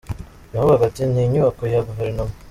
Yavugaga ati “Ni inyubako ya guverinoma.